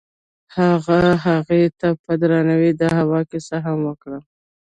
هغه هغې ته په درناوي د هوا کیسه هم وکړه.